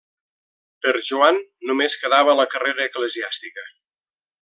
Per Joan només quedava la carrera eclesiàstica.